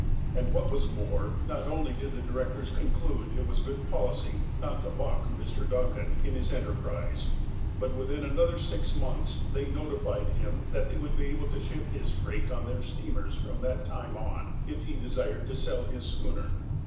I And what was more, not only did the directors conclude it was good policy not to baulk Mr. Duncan in his enter prise, but, within another six months, they notified him that they would be able to ship his freight on their steamers from that time on, if he desired to sell his schooner.